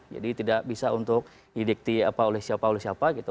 jadi tidak bisa untuk didikti apa oleh siapa siapa gitu